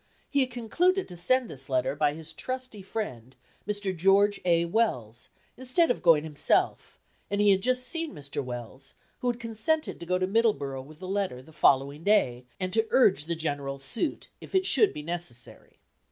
He had concluded to send this letter by his trusty friend, Mr. George A. Wells, instead of going himself, and he had just seen Mr. Wells, who had consented to go to Middleborough with the letter the following day, and to urge the General's suit, if it should be necessary.